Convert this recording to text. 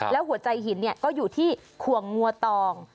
แล้วหัวใจหินก็อยู่ที่ขวงัวตอง